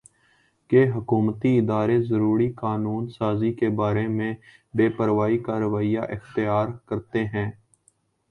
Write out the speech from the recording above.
کہ حکومتی ادارے ضروری قانون سازی کے بارے میں بے پروائی کا رویہ اختیار کرتے ہیں